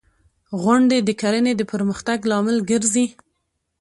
• غونډۍ د کرنې د پرمختګ لامل ګرځي.